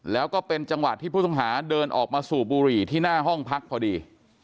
แล้วก็เป็นจังหวะที่ผู้ต้องหาเดินออกมาสูบบุหรี่ที่หน้าห้องพักพอดี